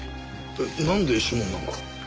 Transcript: なんで指紋なんか？